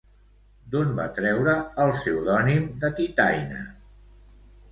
D'on va treure el pseudònim de Titaÿna?